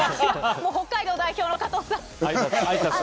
北海道代表・加藤さん！